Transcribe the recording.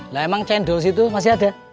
nah emang cendol situ masih ada